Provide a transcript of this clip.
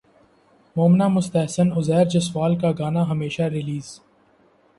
مومنہ مستحسن عزیر جسوال کا گانا ہمیشہ ریلیز